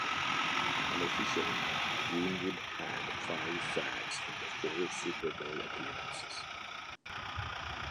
Unofficially, Greenwood had five sacks in the four Super Bowl appearances.